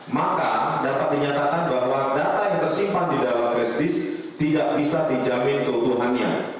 maka dapat dinyatakan bahwa data yang tersimpan di dalam flash disk tidak bisa dijamin keutuhannya